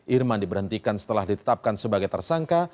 irman diberhentikan setelah ditetapkan sebagai tersangka